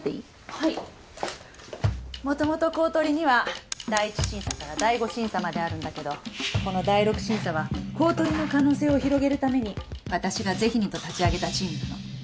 もともと公取には第一審査から第五審査まであるんだけどこの第六審査は公取の可能性を広げるために私がぜひにと立ち上げたチームなの。